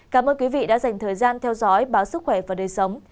cảm ơn quý vị đã dành thời gian theo dõi báo sức khỏe và đời sống